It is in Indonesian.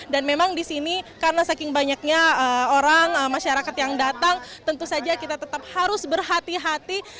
dan memang disini karena saking banyaknya orang masyarakat yang datang tentu saja kita tetap harus berhati hati